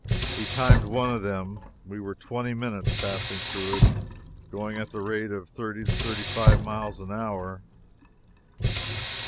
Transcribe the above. We timed one of them. We were twenty minutes passing through it, going at the rate of thirty to thirty five miles an hour.